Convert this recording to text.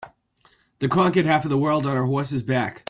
The conquered half of the world on her horse's back.